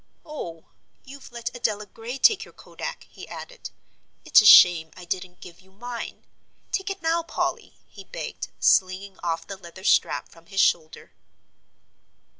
"Oh, you've let Adela Gray take your kodak," he added; "it's a shame I didn't give you mine. Take it now, Polly," he begged, slinging off the leather strap from his shoulder.